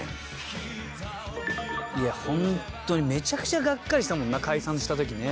いや本当にめちゃくちゃがっかりしたもんな解散した時ね。